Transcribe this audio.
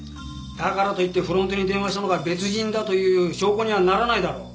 だからといってフロントに電話したのが別人だという証拠にはならないだろう。